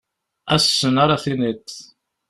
Ass-n ara tiniḍ.